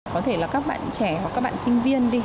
có thể là các bạn trẻ hoặc các bạn sinh viên đi